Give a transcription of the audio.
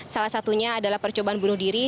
salah satunya adalah percobaan bunuh diri